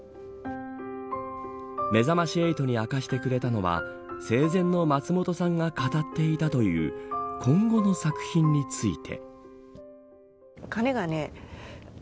めざまし８に明かしてくれたのは生前の松本さんが語っていたという今後の作品について。